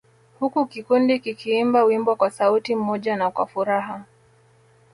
Huku kikundi kikiimba wimbo kwa sauti moja na kwa furaha